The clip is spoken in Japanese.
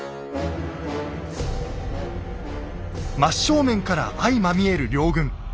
真っ正面から相まみえる両軍。